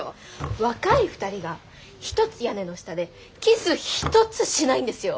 若い２人が一つ屋根の下でキス一つしないんですよ。